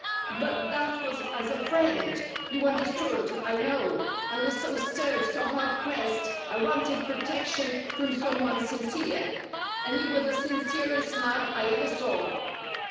"But that was as a friend. You understood, I know! I was so stirred, so hard pressed, I wanted protection from someone sincere. And you were the sincerest man I ever saw."